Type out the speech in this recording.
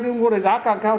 thì mua được giá càng cao